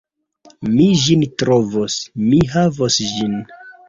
Mi ĝin trovos, mi havos ĝin.